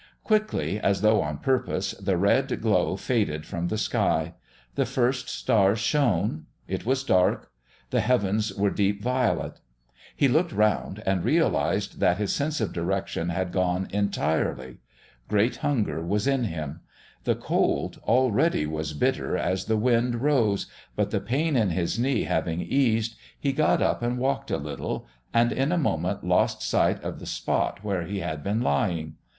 Quickly, as though on purpose, the red glow faded from the sky; the first stars shone; it was dark; the heavens were deep violet. He looked round and realised that his sense of direction had gone entirely. Great hunger was in him. The cold already was bitter as the wind rose, but the pain in his knee having eased, he got up and walked a little and in a moment lost sight of the spot where he had been lying.